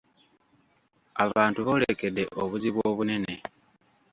Abantu boolekedde obuzibu obunene.